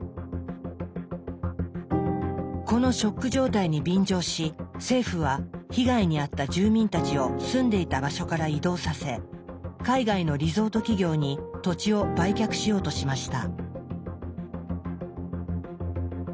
このショック状態に便乗し政府は被害に遭った住民たちを住んでいた場所から移動させ海外のリゾート企業に土地を売却しようとしました。